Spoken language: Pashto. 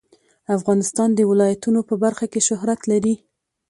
افغانستان د ولایتونو په برخه کې شهرت لري.